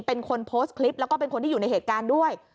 เป็นคนโพสต์คลิปแล้วก็เป็นคนที่อยู่ในเหตุการณ์ด้วย